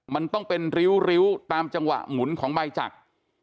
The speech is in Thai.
มันต้องเป็นริ้วตามจังหวะหมุนของใบจักร